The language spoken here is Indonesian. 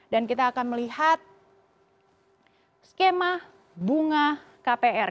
dan kita akan melihat skema bunga kpr